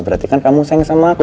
berarti kan kamu sayang sama aku